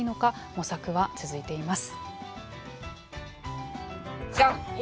模索は続いています。